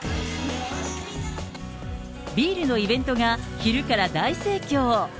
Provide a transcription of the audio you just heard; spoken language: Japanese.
ビールのイベントが昼から大盛況。